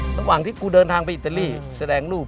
ระหว่างที่กูเดินทางไปอิตาลีแสดงรูป